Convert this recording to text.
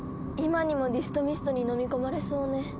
今にもディストミストにのみ込まれそうね。